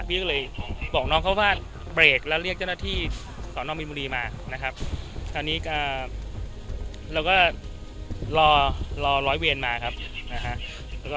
พี่ก็เลยบอกน้องเขาว่าเบรกแล้วเรียกเจ้าหน้าที่สอนอมมินบุรีมานะครับตอนนี้ก็เราก็รอรอร้อยเวรมาครับนะฮะ